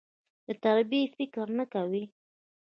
د تربيې فکر نه کوي.